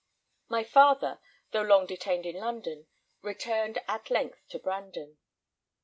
My father, though long detained in London, returned at length to Brandon.